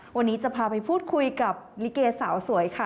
วันนี้จะพาไปพูดคุยกับลิเกสาวสวยค่ะ